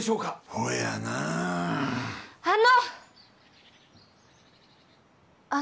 ほやなああの！